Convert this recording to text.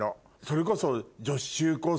それこそ。